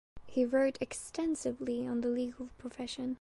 He wrote extensively on the legal profession.